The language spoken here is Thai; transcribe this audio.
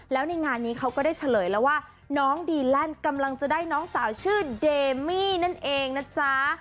แล้วในงานนี้เขาก็ได้เฉลยแล้วว่าน้องดีแลนด์กำลังจะได้น้องสาวชื่อเดมี่นั่นเองนะจ๊ะ